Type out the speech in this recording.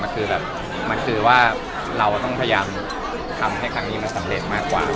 คือแบบมันคือว่าเราต้องพยายามทำให้ครั้งนี้มันสำเร็จมากกว่า